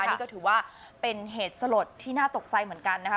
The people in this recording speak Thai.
นี่ก็ถือว่าเป็นเหตุสลดที่น่าตกใจเหมือนกันนะคะ